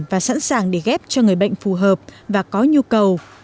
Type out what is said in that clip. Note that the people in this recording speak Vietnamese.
và sẵn sàng để ghép cho người bệnh phù hợp và có nhu cầu